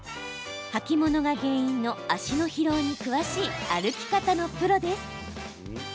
履物が原因の足の疲労に詳しい歩き方のプロです。